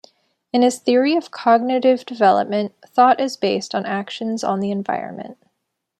In his theory of cognitive development, thought is based on actions on the environment.